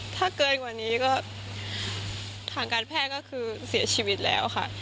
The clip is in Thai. ถ้าเกินกว่านี้ก็ทางการแพทย์ก็คือเสียชีวิตแล้วค่ะ